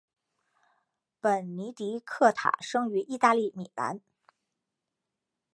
本尼迪克塔生于意大利米兰。